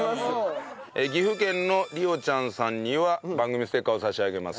岐阜県のりおちゃんさんには番組ステッカーを差し上げます。